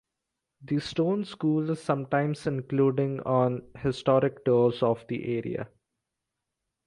The Stone School is sometimes including on Historic tours of the area.